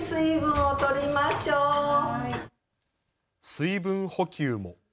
水分補給も。